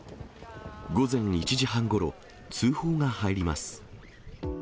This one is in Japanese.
午前１時半ごろ、通報が入ります。